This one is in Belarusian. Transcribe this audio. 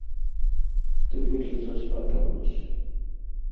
Ты будзеш за свата ў нас!